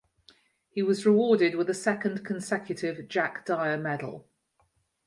He was rewarded with a second consecutive Jack Dyer Medal.